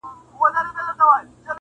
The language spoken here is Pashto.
اوس که چپ یمه خاموش یم وخت به راسي,